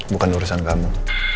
bukan urusan kamu